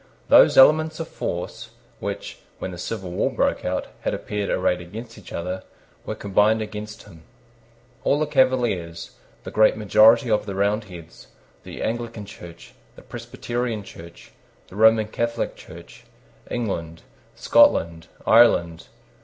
Those elements of force which, when the civil war broke out, had appeared arrayed against each other, were combined against him; all the Cavaliers, the great majority of the Roundheads, the Anglican Church, the Presbyterian Church, the Roman Catholic Church, England, Scotland, Ireland.